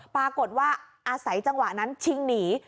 ปรากฏว่าอาศัยจังหวะนั้นชิงหนี